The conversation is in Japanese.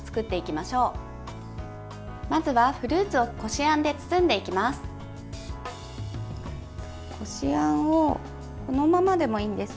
まずはフルーツをこしあんで包んでいきます。